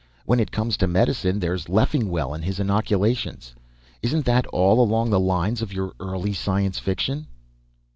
When it comes to medicine, there's Leffingwell and his inoculations. Isn't that all along the lines of your early science fiction?"